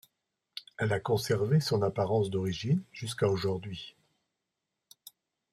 Elle a conservé son apparence d'origine jusqu'à aujourd'hui.